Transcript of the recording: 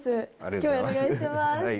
今日お願いします。